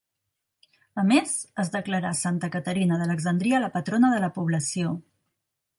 A més, es declarà Santa Caterina d'Alexandria la patrona de la població.